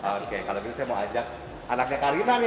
oke kalau gitu saya mau ajak anaknya karina nih